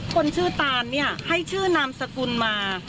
คนชื่อตานเนี่ยให้ชื่อนามสกุลมา